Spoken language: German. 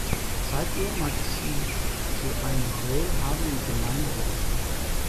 Seitdem hat es sich zu einer wohlhabenden Gemeinde entwickelt.